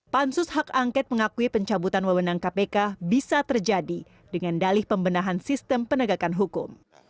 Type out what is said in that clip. pansus hak angket mengakui pencabutan wewenang kpk bisa terjadi dengan dalih pembenahan sistem penegakan hukum